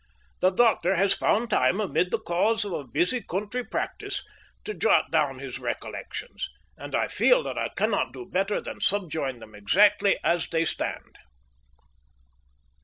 The doctor has found time amid the calls of a busy country practice to jot down his recollections, and I feel that I cannot do better than subjoin them exactly as they stand.